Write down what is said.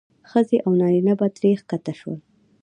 ښځې او نارینه به ترې ښکته شول.